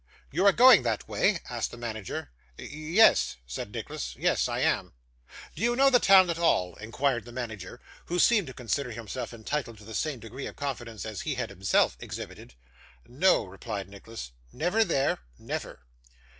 'You are going that way?' asked the manager. 'Ye yes,' said Nicholas. 'Yes, I am.' 'Do you know the town at all?' inquired the manager, who seemed to consider himself entitled to the same degree of confidence as he had himself exhibited. 'No,' replied Nicholas. 'Never there?' 'Never.